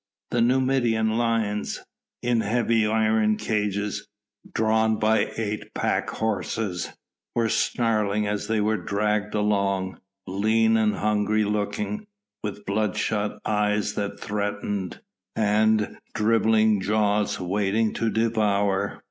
The Numidian lions in heavy iron cages, drawn by eight pack horses were snarling as they were dragged along, lean and hungry looking, with bloodshot eyes that threatened, and dribbling jaws waiting to devour.